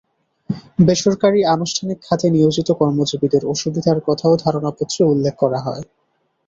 বেসরকারি আনুষ্ঠানিক খাতে নিয়োজিত কর্মজীবীদের অসুবিধার কথাও ধারণাপত্রে উল্লেখ করা হয়।